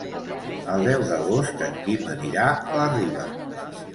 El deu d'agost en Quim anirà a la Riba.